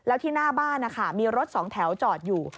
แล้วที่หน้าบ้านนะคะมีรถสองแถวจอดอยู่